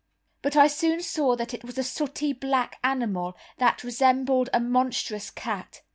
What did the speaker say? But I soon saw that it was a sooty black animal that resembled a monstrous cat.